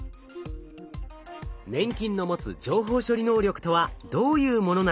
粘菌の持つ情報処理能力とはどういうものなのか？